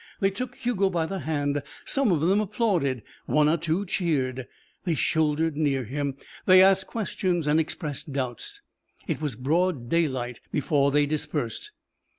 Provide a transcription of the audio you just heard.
They took Hugo by the hand, some of them applauded, one or two cheered, they shouldered near him, they asked questions and expressed doubts. It was broad daylight before they dispersed.